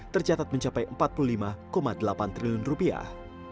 tercatat mencapai empat puluh lima delapan triliun rupiah